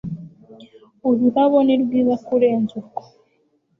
Ururabo ni rwiza kurenza urwo